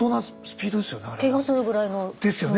ケガするぐらいの。ですよね。